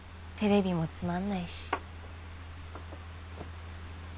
テレビもつまんないし